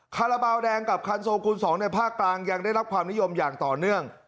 คาราบาลแดงกับคันโซคูณ๒ในภาคกลางยังได้รับความนิยมอย่างต่อเนื่อง